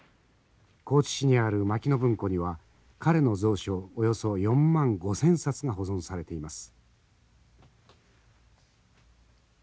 高知市にある牧野文庫には彼の蔵書およそ４万５，０００冊が保存されています。